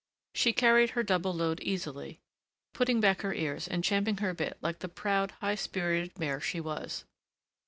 She carried her double load easily, putting back her ears and champing her bit like the proud, high spirited mare she was.